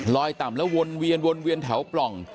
ลอยต่ำแล้ววนเวียนแถวปล่อง